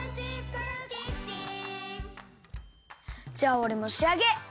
じゃあおれもしあげ！